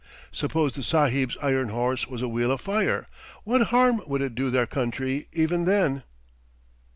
Suppose the Sahib's iron horse was a wheel of fire, what harm would it do their country even then?"